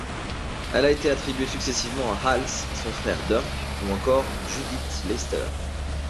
Elle a été attribuée successivement à Hals, son frère Dirk, ou encore Judith Leyster.